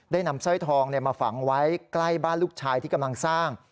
นำสร้อยทองมาฝังไว้ใกล้บ้านลูกชายที่กำลังสร้าง